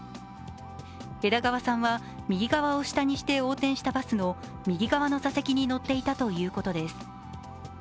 枝川さんは右側を下にして横転したバスの右側の座席に乗っていたということです。